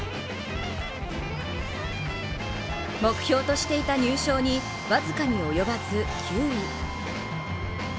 目標としていた入賞に僅かに及ばず９位。